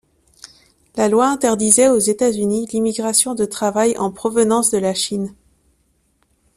La loi interdisait aux États-Unis l'immigration de travail en provenance de la Chine.